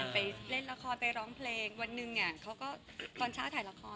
ไปเล่นละครไปร้องเพลงวันหนึ่งเขาก็ตอนเช้าถ่ายละคร